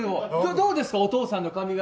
どうですかお父さんの髪形。